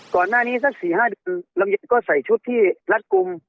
ก่อนหน้านี้สักสี่ห้าเดือนลำเย็นก็ใส่ชุดที่รัดกลุ่ม